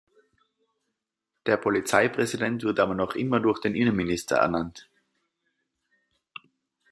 Der Polizeipräsident wird aber noch immer durch den Innenminister ernannt.